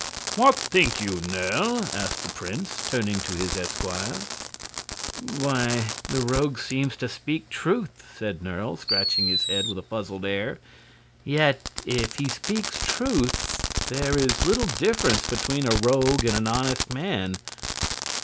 "What think you, Nerle?" asked the Prince, turning to his esquire. "Why, the rogue seems to speak truth," said Nerle, scratching his head with a puzzled air, "yet, if he speaks truth, there is little difference between a rogue and an honest man.